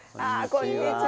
こんにちは。